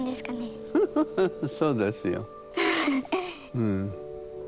うん。